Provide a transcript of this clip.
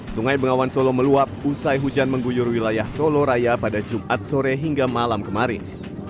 sungai bengawan solo meluap usai hujan mengguyur wilayah solo raya pada jumat sore hingga malam kemarin